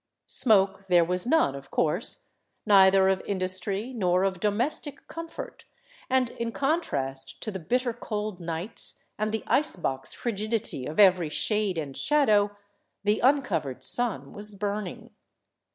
Smoke there was none, of course, neither of industry nor of domestic com fort, and in contrast to the bitter cold nights and the ice box frigidity of every shade and shadow, the uncovered sun was burning.